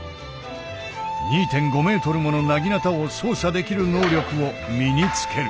２．５メートルもの薙刀を操作できる能力を身につける。